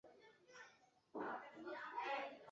孔拉格朗德维勒人口变化图示